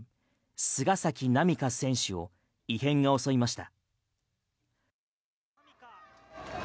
菅崎南花選手を異変が襲いました。